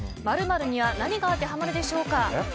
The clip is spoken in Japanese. ○○には何が当てはまるでしょうか。